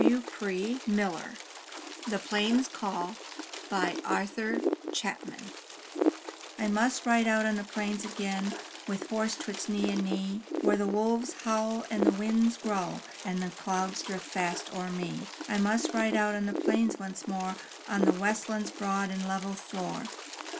i8i MY BOOK HOUSE ^ THE PLAINS' CALL Arthur Chapman I must ride out on the plains again, With a horse 'twixt knee and knee, Where the wolves howl and the winds growl, And the clouds drift fast o'er me; I must ride out on the plains once more, On the Westland's broad and level floor.